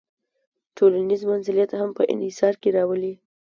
ټولنیز منزلت هم په انحصار کې راولي.